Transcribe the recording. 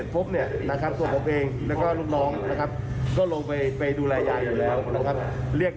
พี่น้องบรรชาชนทุกคนเข้ามาช่วยกัน